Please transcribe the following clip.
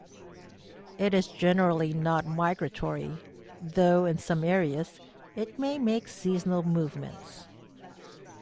It is generally not migratory, though in some areas it may make seasonal movements.